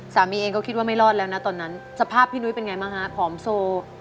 สามีเองก็คิดว่าไม่รอดแล้วนะตอนนั้นสภาพพี่นุ้ยเป็นไงบ้างฮะผอมโซ